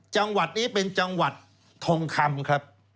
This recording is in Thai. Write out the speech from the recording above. จังหวัดนี้เป็นจังหวัดทองคำครับ